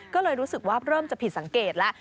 ก็เลยรู้สึกว่าเริ่มจะผิดสังเกตแล้ว